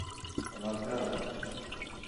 আমার কাজ?